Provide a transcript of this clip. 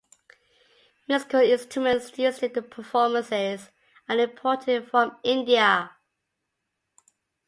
Musical instruments used in the performances are imported from India.